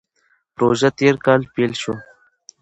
پروژه تېر کال پیل شوه.